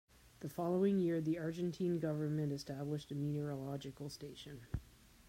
The following year the Argentine Government established a meteorological station.